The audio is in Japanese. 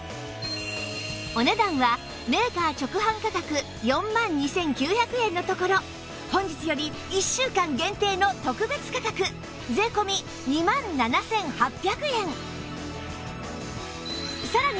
お値段はメーカー直販価格４万２９００円のところ本日より１週間限定の特別価格税込２万７８００円